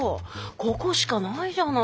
ここしかないじゃない。